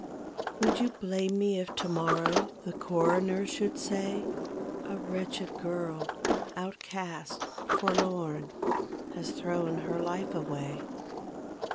Would you blame me if to morrow The coroner should say, 14 A DOUBLE STANDARD. A wretched girl, outcast, forlorn, Has thrown her life away?